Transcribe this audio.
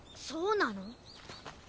そうなの？